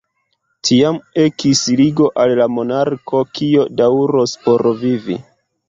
Tiam ekis ligo al la monarko, kio daŭros por vivo.